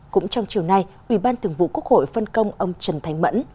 cũng trong chiều nay ủy ban thường vụ quốc hội phân công ông trần thành mẫn